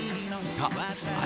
あ